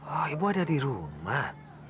oh ibu ada di rumah